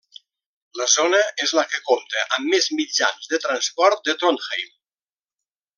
La zona és la que compta amb més mitjans de transport de Trondheim.